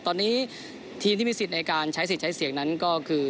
ตอนนี้ทีมที่มีสิทธิ์ในการใช้สิทธิ์ใช้เสียงนั้นก็คือ